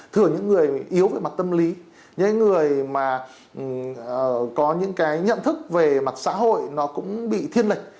thừa những người yếu về mặt tâm lý những người mà có những cái nhận thức về mặt xã hội nó cũng bị thiên lệch